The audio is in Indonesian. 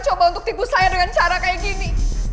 coba untuk tipu saya dengan cara kayak gini